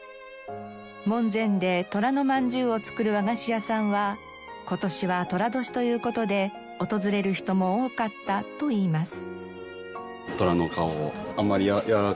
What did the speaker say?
門前で寅のまんじゅうを作る和菓子屋さんは「今年は寅年という事で訪れる人も多かった」といいます。